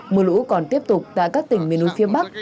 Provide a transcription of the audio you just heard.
mưa lũ còn tiếp tục tại các tỉnh miền núi phía bắc